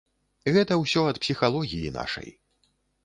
Гэта ўсё ад псіхалогіі нашай.